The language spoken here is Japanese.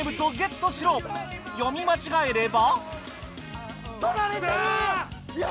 読み間違えれば。